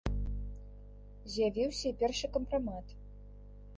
З'явіўся і першы кампрамат.